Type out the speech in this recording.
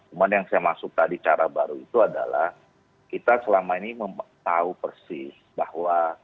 cuma yang saya maksud tadi cara baru itu adalah kita selama ini tahu persis bahwa